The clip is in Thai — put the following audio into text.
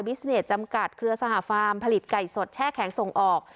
เนตจำกัดเครือสหฟาร์มผลิตไก่สดแช่แข็งส่งออก